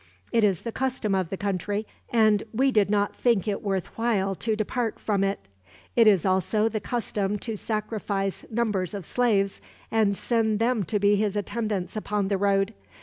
It is the custom of the country, and we did not think it worth while to depart from it. It is also the custom to sacrifice numbers of slaves, and send them to be his attendants upon the road.